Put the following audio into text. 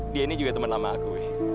dia ini juga teman lama aku